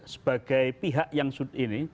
sebagai pihak yang ini